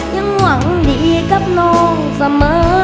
ยังหวังดีกับน้องเสมอ